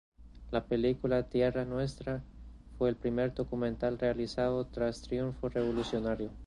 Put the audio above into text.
La película "Esta Tierra Nuestra" fue el primer documental realizado tras el triunfo revolucionario.